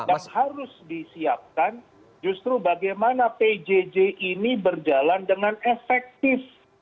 dan harus disiapkan justru bagaimana pjj ini berjalan dengan efektif